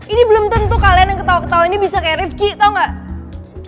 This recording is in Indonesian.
ini belum tentu kalian yang ketawa ketawa ini bisa kayak rifqi tau gak